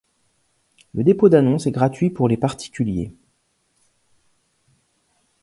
Le dépôt d’annonce est gratuit pour les particuliers.